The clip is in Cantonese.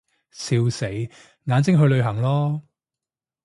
笑死，眼睛去旅行囉